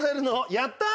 やったー！